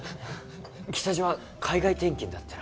北島海外転勤だってな。